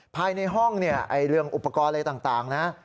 ภายในห้องเนี่ยเรื่องอุปกรณ์อะไรต่างนะ